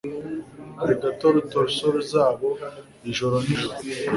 purgatori torsos zabo ijoro nijoro